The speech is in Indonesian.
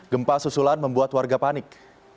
gempa susulan membuat warga panik